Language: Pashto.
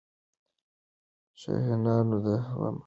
شاهانو د هغې غم نه کاوه.